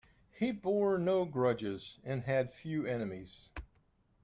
He bore no grudges and had few enemies.